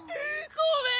ごめん！